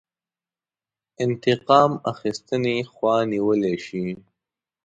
انتقام اخیستنې خوا نیولی شي.